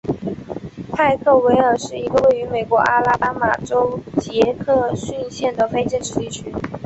派克维尔是一个位于美国阿拉巴马州杰克逊县的非建制地区。